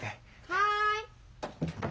・はい。